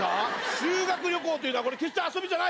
修学旅行というのはこれ決して遊びじゃない。